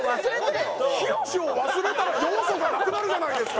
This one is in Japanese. ヒロシを忘れたら要素がなくなるじゃないですか！